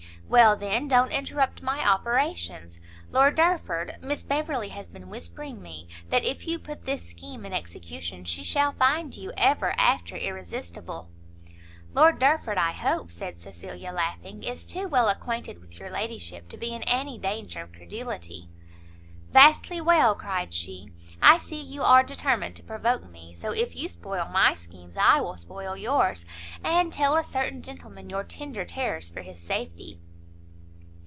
"Well, then, don't interrupt my operations. Lord Derford, Miss Beverley has been whispering me, that if you put this scheme in execution, she shall find you, ever after, irresistible." "Lord Derford, I hope," said Cecilia, laughing, "is too well acquainted with your ladyship to be in any danger of credulity." "Vastly well!" cried she, "I see you are determined to provoke me, so if you spoil my schemes, I will spoil yours, and tell a certain gentleman your tender terrors for his safety."